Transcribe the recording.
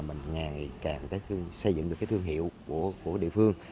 mình ngày càng xây dựng được cái thương hiệu của địa phương